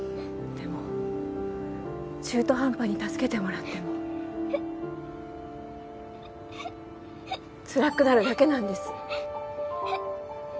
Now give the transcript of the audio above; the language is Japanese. でも中途半端に助けてもらってもつらくなるだけなんです。